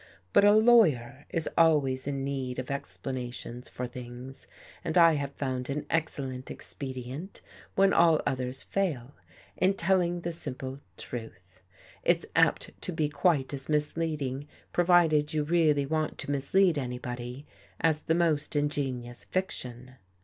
But a lawyer Is always in need of explanations for things and I have found an excellent expedient, when all others fail, in telling the simple truth. It's apt to be quite as misleading, provided you really want to mislead anybody, as the most in genious fiction.